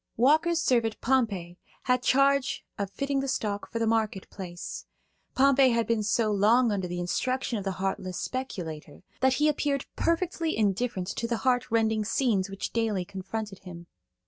Walker's servant Pompey had charge of fitting the stock for the market place. Pompey had been so long under the instructions of the heartless speculator that he appeared perfectly indifferent to the heart rending scenes which daily confronted him.